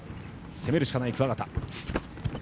攻めるしかない、桑形。